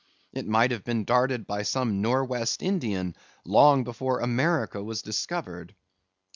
It might have been darted by some Nor' West Indian long before America was discovered.